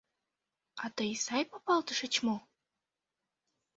А тый сай папалтышыч мо?